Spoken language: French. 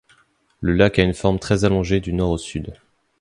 Le lac a une forme très allongée du nord au sud.